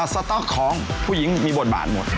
สต๊อกของผู้หญิงมีบทบาทหมด